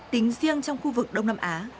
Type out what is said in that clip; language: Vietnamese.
tính riêng trong khu vực đông nam á